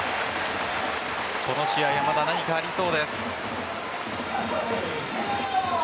この試合、まだ何かありそうです。